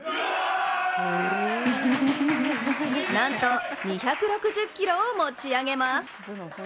なんと２６０ｋｇを持ち上げます。